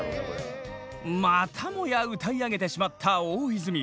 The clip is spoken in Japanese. またもや歌い上げてしまった大泉。